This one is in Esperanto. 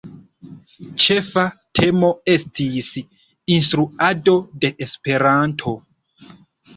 Ĉefa temo estis "Instruado de Esperanto".